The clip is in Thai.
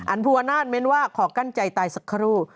อันพุวนาตแมนว่าขอกั้นใจตายสุขภู้